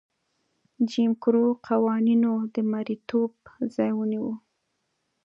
جیم کرو قوانینو د مریتوب ځای ونیو.